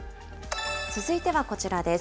続いてはこちらです。